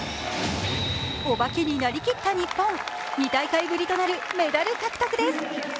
お化けになりきった日本、２大会ぶりとなるメダル獲得です。